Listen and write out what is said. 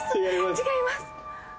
違います。